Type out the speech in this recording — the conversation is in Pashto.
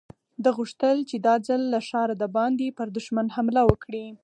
ده غوښتل چې دا ځل له ښاره د باندې پر دښمن حمله وکړي.